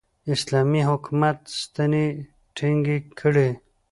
اسلامي حکومت ستنې ټینګې کړې.